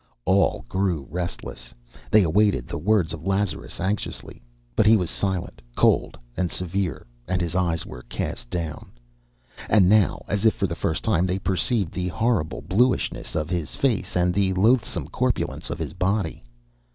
All grew restless; they awaited the words of Lazarus anxiously. But he was silent, cold and severe, and his eyes were cast down. And now, as if for the first time, they perceived the horrible bluishness of his face and the loathsome corpulence of his body.